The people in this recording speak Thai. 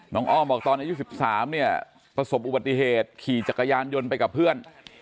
อ้อมบอกตอนอายุ๑๓เนี่ยประสบอุบัติเหตุขี่จักรยานยนต์ไปกับเพื่อน